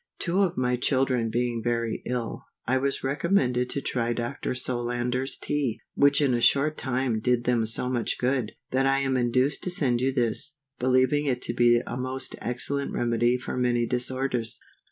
_ TWO of my children being very ill, I was recommended to try Dr. Solander's Tea, which in a short time did them so much good, that I am induced to send you this, believing it to be a most excellent remedy for many disorders.